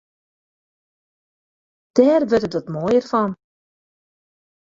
Dêr wurdt it wat moaier fan.